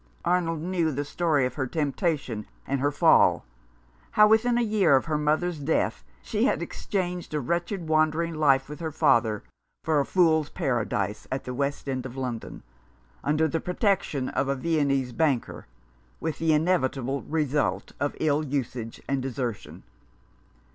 Arnold knew the story of her temptation and her fall — how, within a year of her mother's death, she had exchanged a wretched wandering life with her father for a fool's paradise at the West End of London, under the protection of a Viennese banker, with the inevitable result of ill usage and desertion.